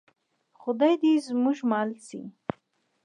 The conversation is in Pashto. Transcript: خدای دې زموږ مل شي؟